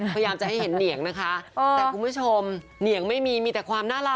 พยายามจะให้เห็นเหนียงนะคะแต่คุณผู้ชมเหนียงไม่มีมีแต่ความน่ารัก